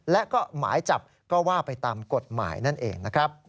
และก็หมายจับก็ว่าไปตามกฎหมายนั่นเองนะครับ